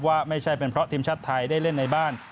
ว่าไม่ใช่เป็นเพราะทีมชาติไทยได้เล่นในบ้าน